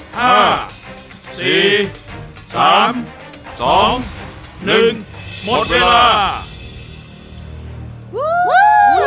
หมดเวลา